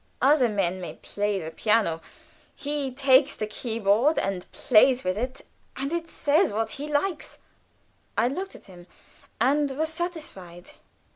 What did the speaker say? Other men may play the piano; he takes the key board and plays with it, and it says what he likes." I looked at him, and was satisfied.